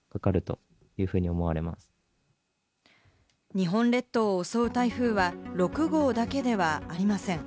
日本列島を襲う台風は６号だけではありません。